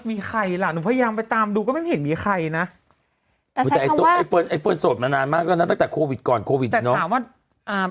มีใครล่ะหนูพยายามไปตามดูก็ไม่เห็นมีใครนะเฟิร์นโสดมานานมากแล้วนะตั้งแต่โควิดก่อนโควิดอ่ะเนอะ